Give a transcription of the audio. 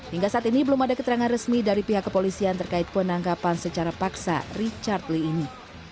hingga saat ini belum ada keterangan resmi dari pihak kepolisian terkait penangkapan secara paksa richard lee ini